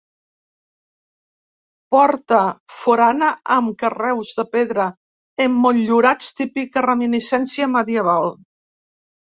Porta forana amb carreus de pedra emmotllurats, típica reminiscència medieval.